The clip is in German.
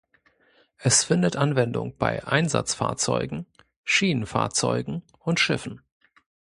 Es findet Anwendung bei Einsatzfahrzeugen, Schienenfahrzeugen und Schiffen.